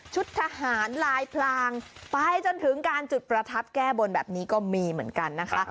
ทหารลายพลางไปจนถึงการจุดประทัดแก้บนแบบนี้ก็มีเหมือนกันนะคะ